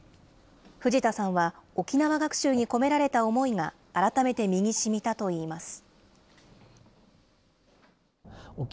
藤田さんは、沖縄学習に込められた思いが改めて身にしみたといいます。